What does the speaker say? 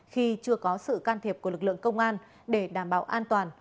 khi chưa có sự can thiệp của lực lượng công an để đảm bảo an toàn